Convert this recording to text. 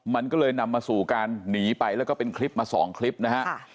มันก็เลยนำมาสู่การหนีไปแล้วก็เป็นคลิปมาสองคลิปนะฮะ